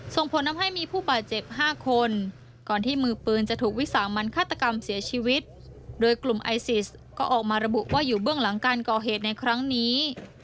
ส่งผลทำให้มีผู้บาดเจ็บ๕คนก่อนที่มือปืนจะถูกวิสามันฆาตกรรมเสียชีวิตโดยกลุ่มไอซิสก็ออกมาระบุว่าอยู่เบื้องหลังการก่อเหตุในครั้งนี้